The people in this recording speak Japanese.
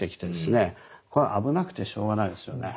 これは危なくてしょうがないですよね。